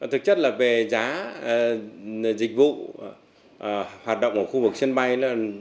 thực chất là về giá dịch vụ hoạt động ở khu vực sân bay